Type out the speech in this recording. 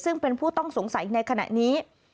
ซึ่งเป็นผู้ต้องสงสัยในขณะนี้